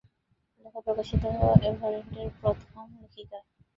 লেখা প্রকাশিত হওয়া এভারটনের প্রথম লেখিকা।